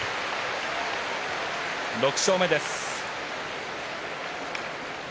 ６勝目です。